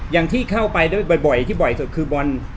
อย่างที่เข้าไปด้วยบ่อยที่บ่อยสุดคือบอล